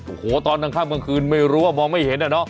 โอ้โหตอนกลางค่ำกลางคืนไม่รู้ว่ามองไม่เห็นอะเนาะ